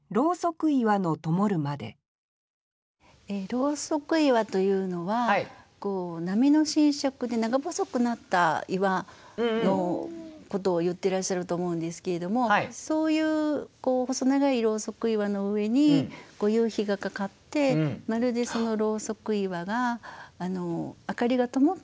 「ローソク岩」というのは波の浸食で長細くなった岩のことを言ってらっしゃると思うんですけれどもそういう細長いローソク岩の上に夕日がかかってまるでそのローソク岩が明かりが灯ったみたいに見えたというそういう句ですね。